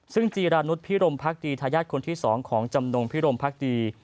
ซึ่งจีรานุษยพิรมพักดีทายาทคนที่๒ของจำนงพิรมพักดี